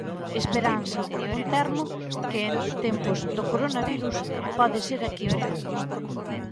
Esperanza, un termo que en tempos 'do coronavirus' pode ser equívoco.